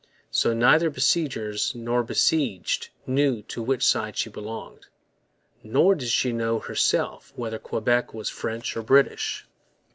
So neither besiegers nor besieged knew to which side she belonged. Nor did she know herself whether Quebec was French or British.